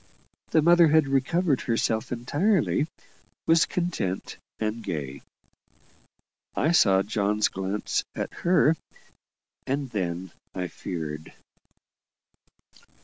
The mother had recovered herself entirely: was content and gay. I saw John's glance at her, and then and then I feared.